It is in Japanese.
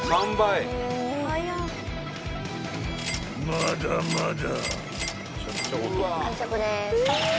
［まだまだ！］